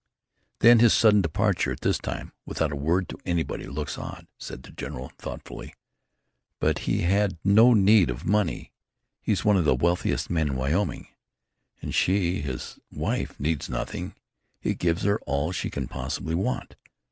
"Then his sudden departure at this time, without a word to anybody looks odd," said the general, thoughtfully. "But he had no need of money. He's one of the wealthiest men in Wyoming. And she his wife, needs nothing. He gives her all she can possibly want."